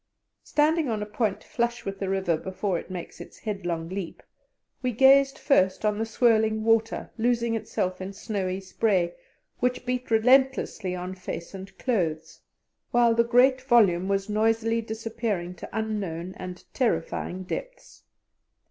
Standing on a point flush with the river before it makes its headlong leap, we gazed first on the swirling water losing itself in snowy spray, which beat relentlessly on face and clothes, while the great volume was nosily disappearing to unknown and terrifying depths.